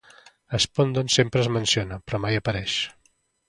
Spondon sempre es menciona, però mai apareix!